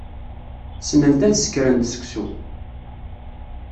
Ssnent ad sekrent seksu.